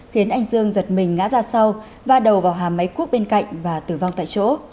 khiến anh dương giật mình ngã ra sau va đầu vào hàm máy cuốc bên cạnh và tử vong tại chỗ